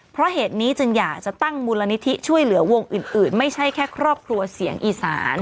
เพราะเหตุนี้จึงอยากจะตั้งมูลนิธิช่วยเหลือวงอื่นไม่ใช่แค่ครอบครัวเสียงอีสาน